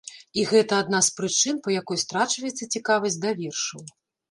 І гэта адна з прычын, па якой страчваецца цікавасць да вершаў.